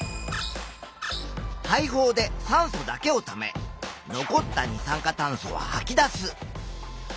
肺胞で酸素だけをため残った二酸化炭素ははき出す。